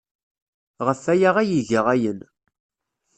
Ɣef waya ay iga ayen.